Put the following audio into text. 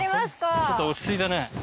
ちょっと落ち着いたね。